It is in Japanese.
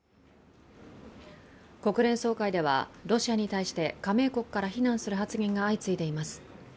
国連総会ではロシアに対して加盟国から非難する発言が相次いでいます。